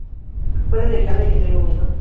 Fuera de Irlanda y el Reino Unido.